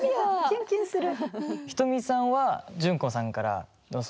キュンキュンする。